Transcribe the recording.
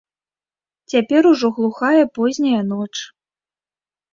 Цяпер ужо глухая позняя ноч.